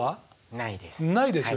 ないです。